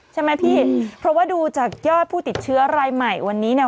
ใช่ไหมพี่เพราะว่าดูจากยอดผู้ติดเชื้อรายใหม่วันนี้เนี่ย